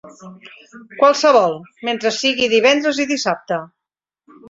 Qualsevol, mentre sigui divendres i dissabte.